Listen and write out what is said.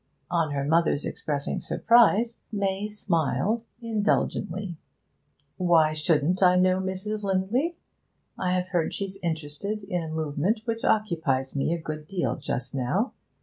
On her mother's expressing surprise, May smiled indulgently. 'Why shouldn't I know Mrs. Lindley? I have heard she's interested in a movement which occupies me a good deal just now.